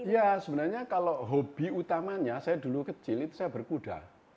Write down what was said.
ya sebenarnya kalau hobi utamanya saya dulu kecil itu saya berkuda